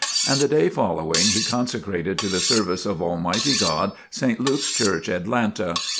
And the day following he consecrated to the service of Almighty God, St. Luke's Church, Atlanta.